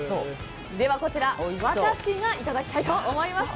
ではこちら私がいただきたいと思います。